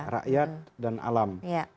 rakyat dan alam